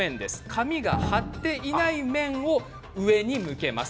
紙が張っていない面を上に向けます。